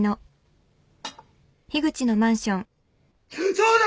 そうだ！